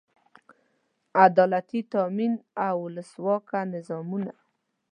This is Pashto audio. عدالتي تامین او اولسواکه نظامونه.